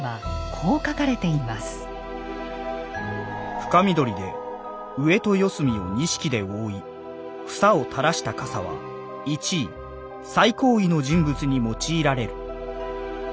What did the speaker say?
「深緑で上と四隅を錦で覆い房を垂らした蓋は一位最高位の人物に用いられる」。